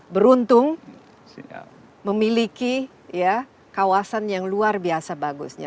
beruntung memiliki kawasan yang luar biasa bagusnya